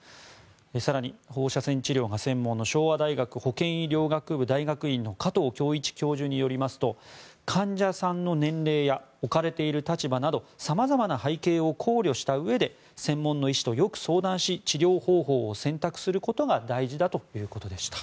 更に、放射線治療が専門の昭和大学保健医療学部大学院の加藤京一教授によりますと患者さんの年齢や置かれている立場など様々な背景を考慮したうえで専門の医師とよく相談し治療方法を選択することが大事ということでした。